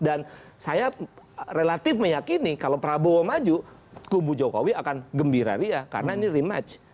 dan saya relatif meyakini kalau prabowo maju kumbu jokowi akan gembira dia karena ini rematch